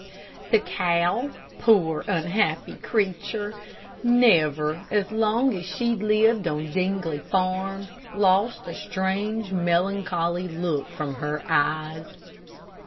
The cow, poor unhappy creature, never, as long as she lived on Dingley Farm, lost a strange, melancholy look from her eyes.